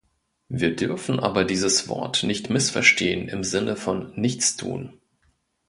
Wir dürfen aber dieses Wort nicht missverstehen im Sinne von Nichtstun.